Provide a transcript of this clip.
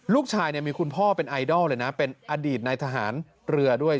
ลูกชายมีคุณพ่อเป็นไอดอลเลยนะเป็นอดีตในทหารเรือด้วย